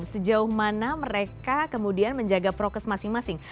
sejauh mana mereka kemudian menjaga prokes masing masing